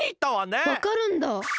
わかるんだ！？